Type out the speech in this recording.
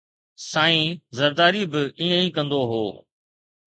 سائين زرداري به ائين ئي ڪندو هو